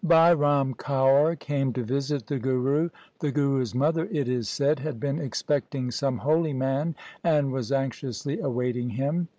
Bhai Ram Kaur, came to visit the Guru. The Guru's mother, it is said, had been expecting some holy man and was anxiously awaiting him.